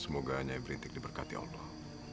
semoga nyai berintik diberkati allah